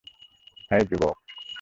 হেই, যুবক!